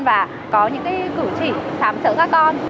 và có những cái cử chỉ khám sở các con